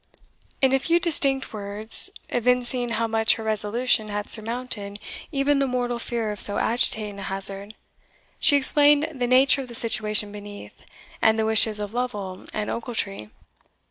In a few distinct words, evincing how much her resolution had surmounted even the mortal fear of so agitating a hazard, she explained the nature of the situation beneath, and the wishes of Lovel and Ochiltree.